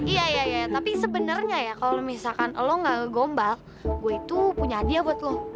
iya iya iya tapi sebenarnya ya kalau misalkan lo nggak ngegombal gue itu punya hadiah buat lo